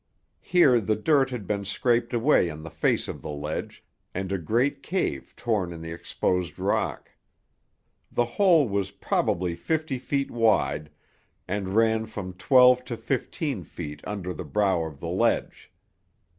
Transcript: Here the dirt had been scraped away on the face of the ledge, and a great cave torn in the exposed rock. The hole was probably fifty feet wide, and ran from twelve to fifteen feet under the brow of the ledge.